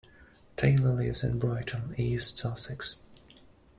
Taylor lives in Brighton, East Sussex.